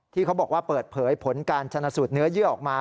ที่เขาบอกว่าเปิดเผยผลการชนะสูตรเนื้อเยื่อออกมา